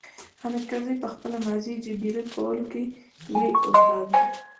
حامد کرزي په خپله ماضي جبيره کولو کې لوی استاد دی.